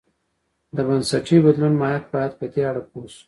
د بنسټي بدلونو ماهیت باید په دې اړه پوه شو.